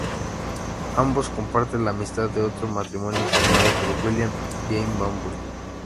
Ambos comparten la amistad de otro matrimonio formado por William y Jane Banbury.